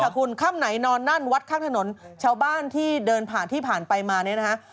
คุณค่ำไหนนอนนั่นวัดข้างถนนชาวบ้านที่เดินผ่านที่ผ่านไปมาเนี่ยนะฮะ